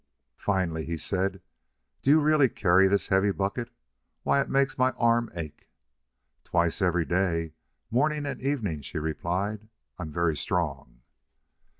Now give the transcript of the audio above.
Finally he said: "Do you really carry this heavy bucket? Why, it makes my arm ache." "Twice every day morning and evening," she replied. "I'm very strong."